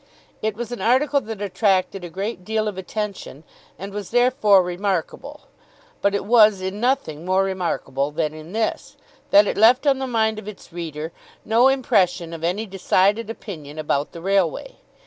It was an article that attracted a great deal of attention and was therefore remarkable, but it was in nothing more remarkable than in this, that it left on the mind of its reader no impression of any decided opinion about the railway.